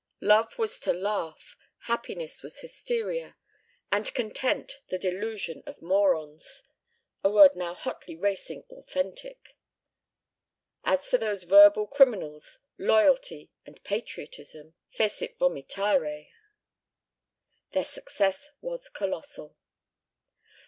Love was to laugh. Happiness was hysteria, and content the delusion of morons (a word now hotly racing "authentic"). As for those verbal criminals, "loyalty" and "patriotism" fecit vomitare. Their success was colossal.